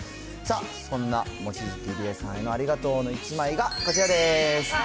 さあ、そんな望月理恵さんへのありがとうの１枚がこちらです。